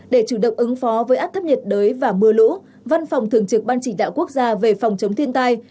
để chủ động ứng phó với áp thấp nhiệt đới và mưa lũ văn phòng thường trực ban chỉ đạo quốc gia về phòng chống thiên tai